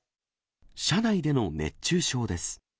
車内での熱中症です。